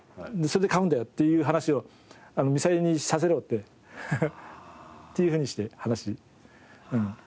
それで買うんだよっていう話をみさえにさせろって。っていうふうにして話。